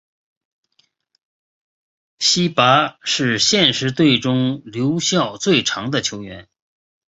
希拔是现时队中留效最长的球员。